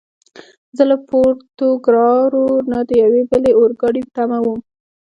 زه له پورتوګرارو نه د یوې بلې اورګاډي په تمه ووم.